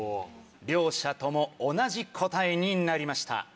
両者とも同じ答えになりました。